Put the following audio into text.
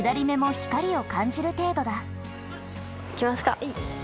行きますか。